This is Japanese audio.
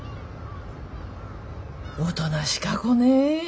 おとなしか子ね。